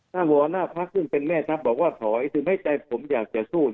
ถ้าหัวหน้าพักษ์ขึ้นเป็นแม่ทัพบอกว่าถอยคือไม่ใช่ผมอยากจะสู้